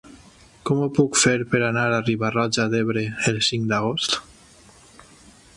Com ho puc fer per anar a Riba-roja d'Ebre el cinc d'agost?